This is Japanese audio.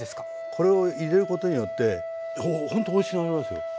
これを入れることによってほんとおいしくなりますよ。